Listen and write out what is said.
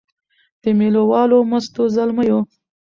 د مېله والو مستو زلمیو